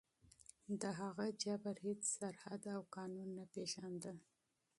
د هغه ظلم هیڅ سرحد او قانون نه پېژانده.